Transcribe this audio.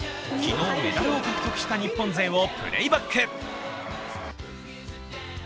昨日、メダルを獲得した日本勢をプレーバック。